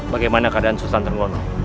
bagaimana keadaan sultan trenggono